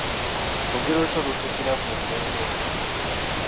Lugero ki olutuukira ku mbeera eno?